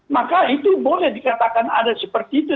maka itu boleh dikatakan ada seperti itu